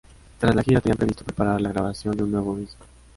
Tras la gira tenían previsto preparar la grabación de un nuevo disco.